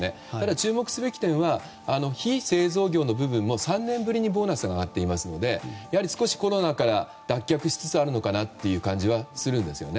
注目すべき点は非製造業の部分も３年ぶりにボーナスが上がっていますのでやはり、少しは脱却しつつあるのかなという感じはしますね。